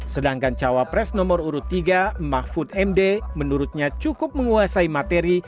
sedangkan cawapres nomor urut tiga mahfud md menurutnya cukup menguasai materi